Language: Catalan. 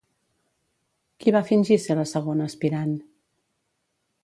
Qui va fingir ser la segona aspirant?